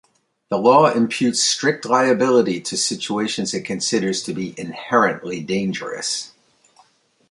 The law imputes strict liability to situations it considers to be inherently dangerous.